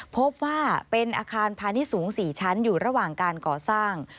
พบว่าเป็นอาคารพาณิชย์สูง๔ชั้นอยู่ระหว่างการก่อสร้าง